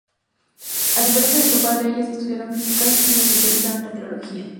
A diferencia de su padre, ellas sí estudiaron Físicas y se especializaron en Meteorología.